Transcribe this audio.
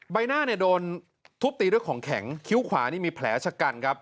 ใบหน้าเนี่ยโดนทุบตีด้วยของแข็งคิ้วขวานี่มีแผลชะกันครับ